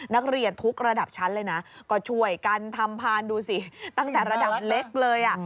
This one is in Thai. นักเรียนทุกระดับชั้นเลยนะก็ช่วยกันทำพานดูสิตั้งแต่ระดับเล็กเลย